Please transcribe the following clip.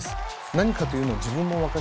何かというのは自分も分かりません。